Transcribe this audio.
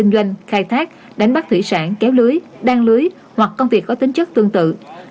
đánh bắt thủy sản kéo lưới đan lưới hoặc công việc có tính chất tương tự